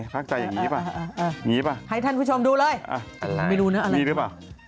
ไปอีกแล้วหรอไปสาวนี้บ่